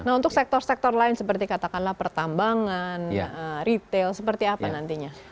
nah untuk sektor sektor lain seperti katakanlah pertambangan retail seperti apa nantinya